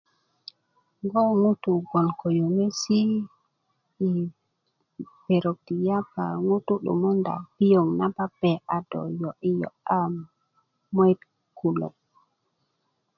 ko ŋutu gboŋ ko yöŋesi i pero ti yapa a ŋutu 'dumunda piöŋ na pape a do yo'i yo'ya moyit kulok